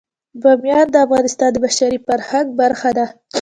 بامیان د افغانستان د بشري فرهنګ برخه ده.